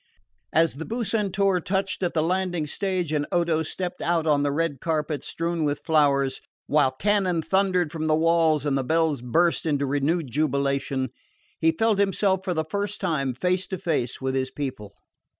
As the Bucentaur touched at the landing stage and Odo stepped out on the red carpet strewn with flowers, while cannon thundered from the walls and the bells burst into renewed jubilation, he felt himself for the first time face to face with his people.